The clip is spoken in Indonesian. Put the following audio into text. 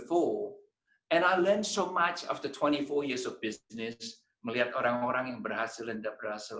saya belajar banyak setelah dua puluh empat tahun bisnis melihat orang orang yang berhasil dan tidak berhasil